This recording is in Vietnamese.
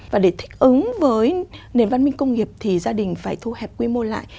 và để thích ứng với nền văn minh công nghiệp thì gia đình phải thu hẹp quy mô lại